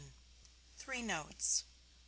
THREE NOTES I.